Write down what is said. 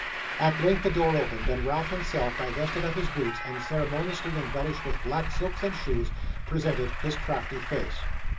At length, the door opened, and Ralph himself, divested of his boots, and ceremoniously embellished with black silks and shoes, presented his crafty face.